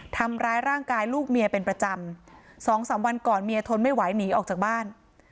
ทำร้ายร่างกายลูกเมียเป็นประจำสองสามวันก่อนเมียทนไม่ไหวหนีออกจากบ้าน